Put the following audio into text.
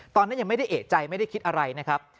ตอนนั้นยังไม่ได้เอกใจไม่ได้คิดอะไรนะครับ